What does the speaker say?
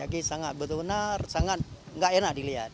jadi sangat betul benar sangat gak enak dilihat